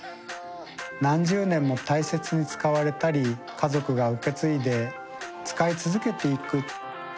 何十年も大切に使われたり家族が受け継いで使い続けていく。